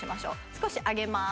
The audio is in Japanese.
少し上げます。